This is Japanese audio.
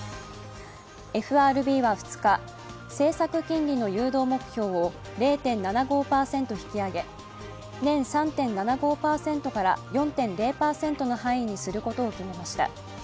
ＦＲＢは２日、政策金利の誘導目標を０．７５％引き上げ年３．７５％から４．０％の範囲にすることを決めました。